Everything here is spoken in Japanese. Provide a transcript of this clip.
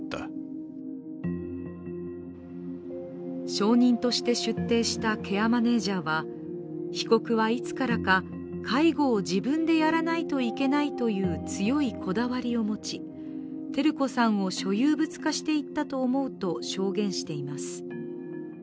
証人として出廷したケアマネージャーは被告はいつからか介護を自分でやらないといけないという強いこだわりを持ち、照子さんを所有物化していったと思うと証言しています。